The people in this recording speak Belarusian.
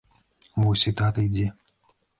Вось і тата ідзе!